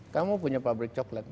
kamu punya pabrik coklat